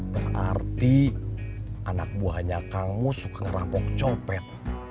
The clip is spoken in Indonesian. berarti anak buahnya kamu suka ngerampok copet